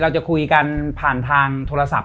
เราจะคุยกันผ่านทางโทรศัพท์